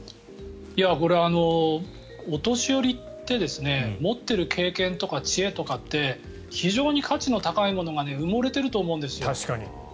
これ、お年寄りって持っている経験とか知恵とかって非常に価値の高いものが埋もれていると思うんですよ。